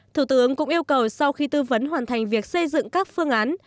thủ tướng cũng yêu cầu sau khi tư vấn hoàn thành việc xây dựng các phương án